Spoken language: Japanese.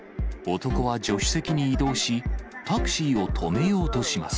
男は助手席に移動し、タクシーを止めようとします。